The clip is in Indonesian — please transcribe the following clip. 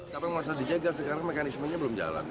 sampai masa dijegal sekarang mekanismenya belum jalan